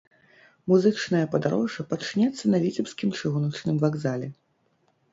Музычнае падарожжа пачнецца на віцебскім чыгуначным вакзале.